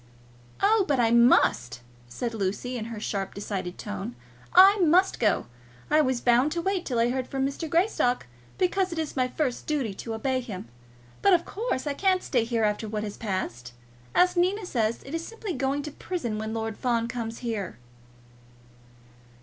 "Oh, but I must," said Lucy in her sharp, decided tone. "I must go. I was bound to wait till I heard from Mr. Greystock, because it is my first duty to obey him. But of course I cannot stay here after what has passed. As Nina says, it is simply going to prison when Lord Fawn comes here."